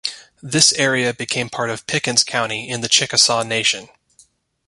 This area became part of Pickens County in the Chickasaw Nation.